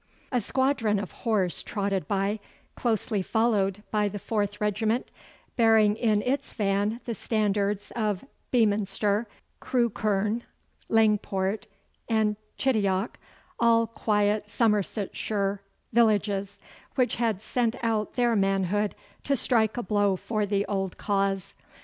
A squadron of horse trotted by, closely followed by the fourth regiment, bearing in its van the standards of Beaminster, Crewkerne, Langport, and Chidiock, all quiet Somersetshire villages, which had sent out their manhood to strike a blow for the old cause.